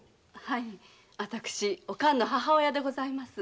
はい私おかんの母親でございます。